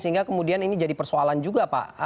sehingga kemudian ini jadi persoalan juga pak